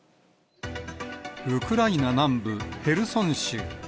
ウクライナ南部ヘルソン州。